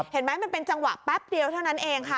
มันเป็นจังหวะแป๊บเดียวเท่านั้นเองค่ะ